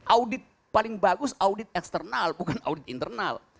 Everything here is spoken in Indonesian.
audit paling bagus audit eksternal bukan audit internal